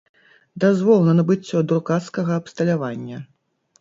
Дазвол на набыццё друкарскага абсталявання.